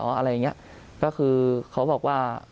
อะไรอย่างเงี้ยก็คือเขาบอกว่า